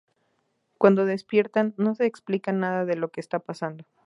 Cuando despiertan, no se explican nada de lo que está pasando.